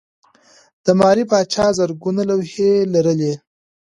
د ماري پاچا زرګونه لوحې لرلې.